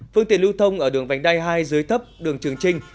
phương tiện lưu thông ở đường vành đai hai dưới thấp đường trường trinh